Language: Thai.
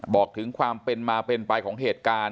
บอกถึงความเป็นมาเป็นไปของเหตุการณ์